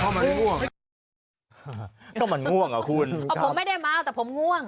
เพราะมันง่วงก็มันง่วงอ่ะคุณเพราะผมไม่ได้เมาแต่ผมง่วง